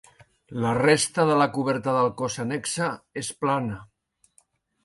La resta de la coberta del cos annexa, és plana.